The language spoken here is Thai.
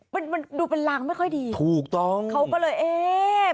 มันดูเป็นหลังไม่ค่อยดีเขาไปเลยเอ๊ะถูกต้อง